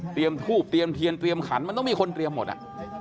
ทูบเตรียมเทียนเตรียมขันมันต้องมีคนเตรียมหมดอ่ะ